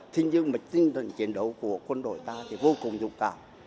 thế nhưng mà tinh thần chiến đấu của quân đội ta thì vô cùng dũng cảm